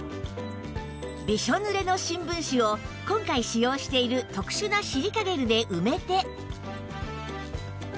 びしょぬれの新聞紙を今回使用している特殊なシリカゲルで埋めて